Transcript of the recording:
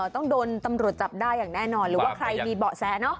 ต้องโดนตำรวจจับได้อย่างแน่นอนหรือว่าใครมีเบาะแสเนอะ